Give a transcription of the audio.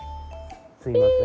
すいません。